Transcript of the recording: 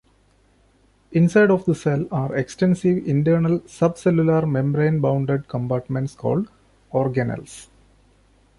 Inside of the cell are extensive internal sub-cellular membrane-bounded compartments called organelles.